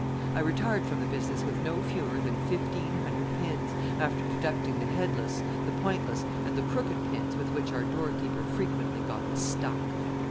I retired from the business with no fewer than fifteen hundred pins, after deducting the headless, the pointless, and the crooked pins with which our doorkeeper frequently got "stuck."